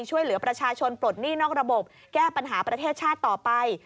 ช่วยเหลือประชาชนปลดหนี้นอกระบบแก้ปัญหาประเทศชาติต่อไป